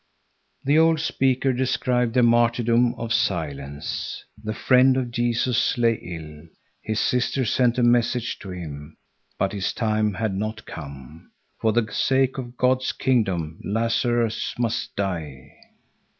The old speaker described the martyrdom of silence. The friend of Jesus lay ill. His sisters sent a message to him; but his time had not come. For the sake of God's kingdom Lazarus must die.